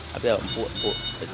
tapi empuk empuk